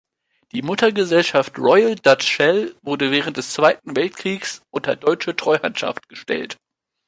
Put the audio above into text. Die Muttergesellschaft Royal Dutch Shell wurde während des Zweiten Weltkriegs unter deutsche Treuhandschaft gestellt.